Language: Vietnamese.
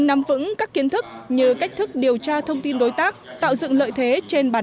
nắm vững các kiến thức như cách thức điều tra thông tin đối tác tạo dựng lợi thế trên bàn